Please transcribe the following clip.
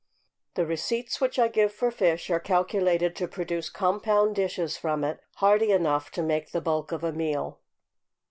The receipts which I give for fish are calculated to produce compound dishes from it, hearty enough to make the bulk of a meal.